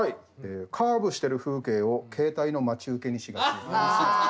カーブしてる風景を携帯の待ち受けにしがち。